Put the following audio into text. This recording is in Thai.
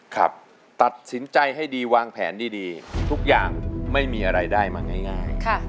ครับตัดสินใจให้ดีวางแผนดีทุกอย่างไม่มีอะไรได้มาง่าย